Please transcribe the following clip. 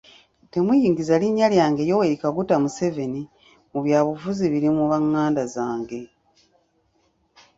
Temuyingiza linnya lyange Yoweri Kaguta Museveni mu byabufuzi birimu banganda zange.